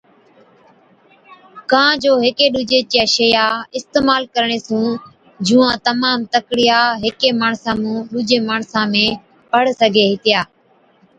ڪان جو هيڪي ڏُوجي چِيا شئِيا اِستعمال ڪرڻي سُون جُوئان تمام تڪڙِيان هيڪي ماڻسا مُون ڏُوجي ماڻسا ۾ سِگھي هِتِيا